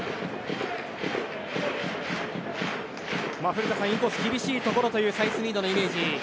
古田さん、インコース厳しいところというサイスニードのイメージ。